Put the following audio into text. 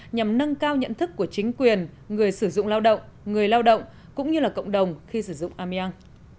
nhằm nâng cao nhận thức của chính quyền người sử dụng lao động người lao động cũng như là cộng đồng khi sử dụng ameang